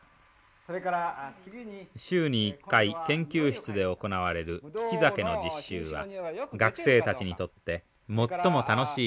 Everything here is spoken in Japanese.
週に１回研究室で行われる利き酒の実習は学生たちにとって最も楽しいひとときです。